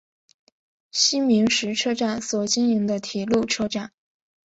西明石车站所经营的铁路车站。